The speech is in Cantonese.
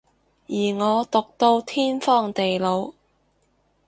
而我毒到天荒地老